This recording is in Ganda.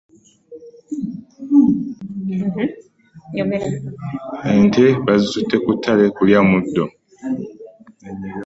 Ente bazitutte kutttale kulya muddo